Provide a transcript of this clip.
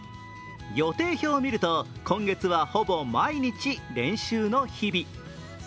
予定表を見ると、今月はほぼ毎日練習の日々。